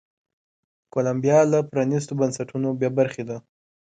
کولمبیا له پرانیستو بنسټونو بې برخې ده.